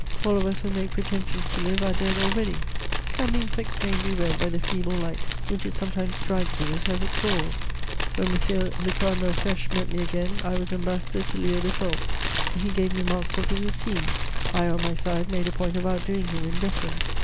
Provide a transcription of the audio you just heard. All of us who make pretensions to live are dead already: can the insect's name be read by the feeble light which it sometimes drags with it as it crawls? When M. le Cardinal Fesch met me again I was Ambassador to Leo XII.; he gave me marks of his esteem: I on my side made a point of outdoing him in deference.